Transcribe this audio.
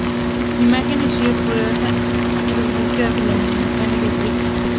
Image Search" prioriza en sus búsquedas las imágenes de Flickr.